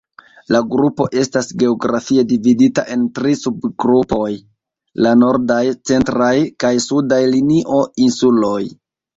La grupo estas geografie dividita en tri subgrupoj; La Nordaj, Centraj, kaj Sudaj Linio-Insuloj.